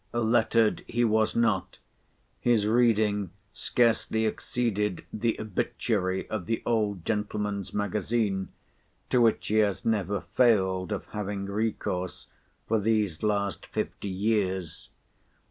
Lettered he was not; his reading scarcely exceeded the Obituary of the old Gentleman's Magazine, to which he has never failed of having recourse for these last fifty years.